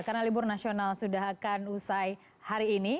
karena libur nasional sudah akan usai hari ini